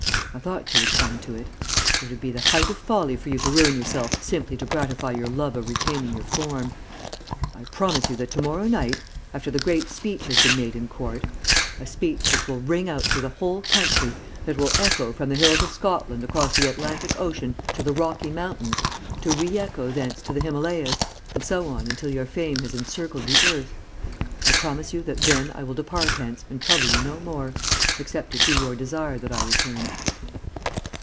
I thought you would come to it. It would be the height of folly for you to ruin yourself simply to gratify your love of retaining your form. I promise you that to morrow night, after the great speech has been made in court a speech which will ring out through the whole country, that will echo from the hills of Scotland across the Atlantic Ocean to the Rocky Mountains, to re echo thence to the Himalayas, and so on until your fame has encircled the earth I promise you that then I will depart hence and trouble you no more, except it be your desire that I return.'"